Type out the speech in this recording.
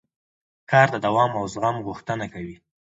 کار د دوام او زغم غوښتنه کوي